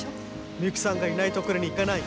ミユキさんが、いないところに行かない。